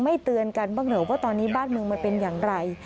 เตือนกันบ้างเหรอว่าตอนนี้บ้านเมืองมันเป็นอย่างไร